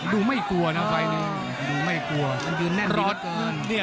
ดูไม่กลัวนะไฟนี้